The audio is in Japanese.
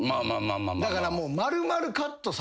だからもう。